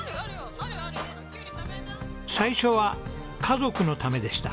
最初は家族のためでした。